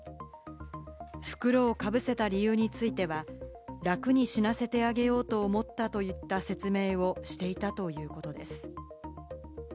袋をかぶせた理由については、楽に死なせてあげようと思ったといった説明をしていたということです。